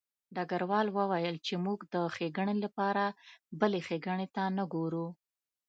ډګروال وویل چې موږ د ښېګڼې لپاره بلې ښېګڼې ته نه ګورو